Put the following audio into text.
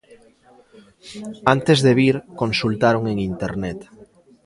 Antes de vir, consultaron en Internet.